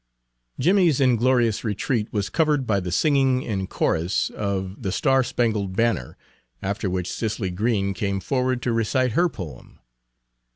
Jimmie's inglorious retreat was covered by the singing in chorus of "The Star spangled Banner," after which Cicely Green came forward to recite her poem.